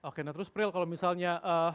oke nah terus prill kalau misalnya